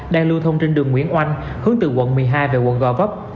đang lưu thông trên đường nguyễn oanh hướng từ quận một mươi hai về quận gò vấp